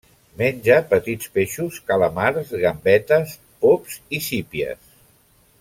Menja petits peixos, calamars, gambetes, pops i sípies.